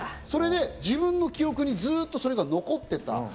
それで自分の記憶にずっとそれが残っていた。